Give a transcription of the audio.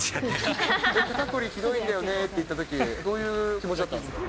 肩凝りひどいんだよねって言ったとき、どういう気持ちだったんですか？